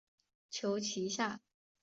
求其下